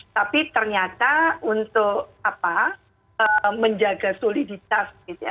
tapi ternyata untuk menjaga soliditas gitu ya